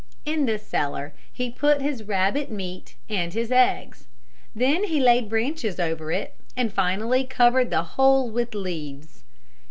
In this cellar he put his rabbit meat and his eggs. Then he laid branches over it and finally covered the whole with leaves.